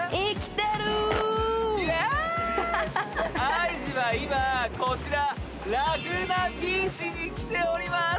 ＩＧは今こちらラグナビーチに来ております！